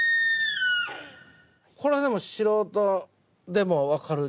これは素人でも分かる。